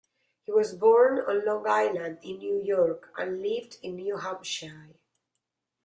He was born on Long Island in New York and lived in New Hampshire.